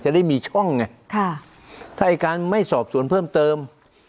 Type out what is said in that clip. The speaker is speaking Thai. ได้มีช่องไงค่ะถ้าอายการไม่สอบสวนเพิ่มเติม